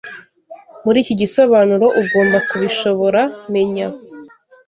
muriki gisobanuro ugomba kubishobora menya